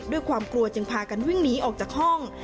ด้วยความกลัวจึงพากันวิ่งหนีออกจากห้อง